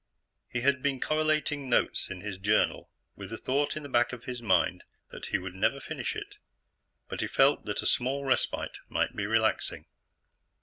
He had been correlating notes in his journal with the thought in the back of his mind that he would never finish it, but he felt that a small respite might be relaxing.